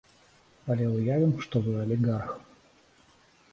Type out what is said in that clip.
Але уявім, што вы алігарх.